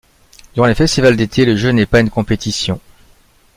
Durant les festivals d'été, le jeu n'est pas une compétition.